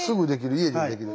家でできる。